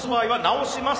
直します！